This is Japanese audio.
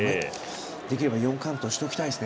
できれば４完登しておきたいです